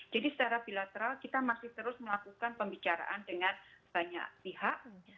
jadi secara bilateral kita masih terus melakukan pembicaraan dengan banyak pihak